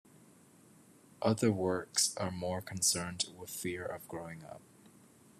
Other works are more concerned with a fear of growing up.